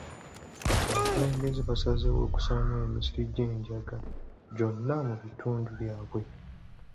Abakulembeze basazeewo okusaanyaawo emisiri gy'enjaga gyonna mu bitundu byabwe.